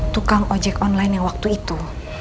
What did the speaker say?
tukang ojek online yang waktu itu